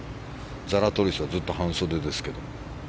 ザラトリスはずっと半袖ですけど。